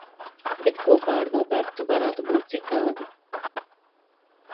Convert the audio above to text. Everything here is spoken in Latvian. Bet kopā ar Robertu varētu būt citādi.